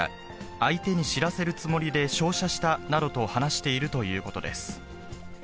相手に知らせるつもりで照射したなどと話しているということです。